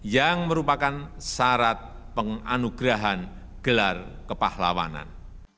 yang merupakan syarat penganugerahan gelar kepahlawanan